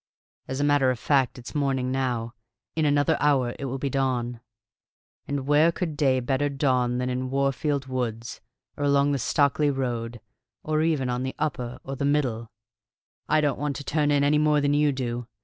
"As a matter of fact, it's morning now; in another hour it will be dawn; and where could day dawn better than in Warfield Woods, or along the Stockley road, or even on the Upper or the Middle? I don't want to turn in, any more than you do.